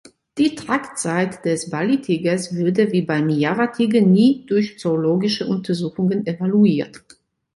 Die Tragzeit des Bali-Tigers wurde wie beim Java-Tiger nie durch zoologische Untersuchungen evaluiert.